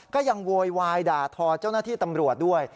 โวยวายด่าทอเจ้าหน้าที่ตำรวจด้วย